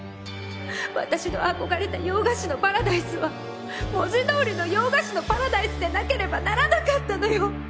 私の憧れた「洋菓子のパラダイス」は文字通りの洋菓子のパラダイスでなければならなかったのよ！